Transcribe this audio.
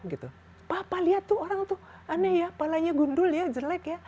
gitu papa lihat tuh orang aneh ya kepalanya gundul jelek ya